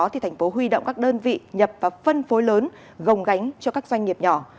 thành phố huy động các đơn vị nhập và phân phối lớn gồng gánh cho các doanh nghiệp nhỏ